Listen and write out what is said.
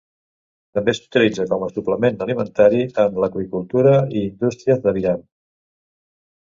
També s'utilitza com a suplement alimentari en l'aqüicultura i indústries d'aviram.